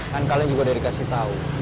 kan kalian juga udah dikasih tahu